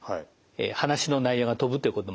話の内容が飛ぶということもあります。